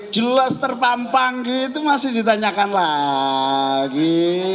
jelas terpampang gitu masih ditanyakan lagi